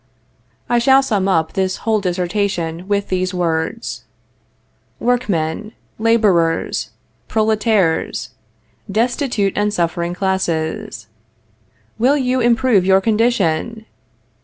I shall sum up this whole dissertation with these words: Workmen, laborers, "prolétaires," destitute and suffering classes, will you improve your condition?